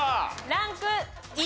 ランク１。